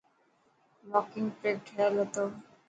واڪنگ ٽريڪ ٺهيل هتو.